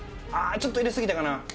ちょっと入れすぎたかな？